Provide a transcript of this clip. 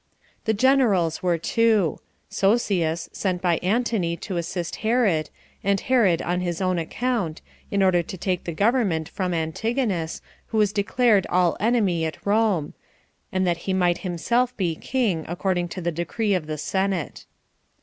The generals were two: Sosius, sent by Antony to assist Herod, and Herod on his own account, in order to take the government from Antigonus, who was declared all enemy at Rome, and that he might himself be king, according to the decree of the Senate.